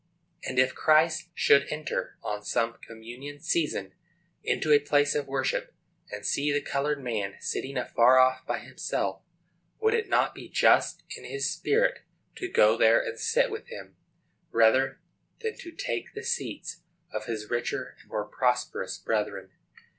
And if Christ should enter, on some communion season, into a place of worship, and see the colored man sitting afar off by himself, would it not be just in his spirit to go there and sit with him, rather than to take the seats of his richer and more prosperous brethren?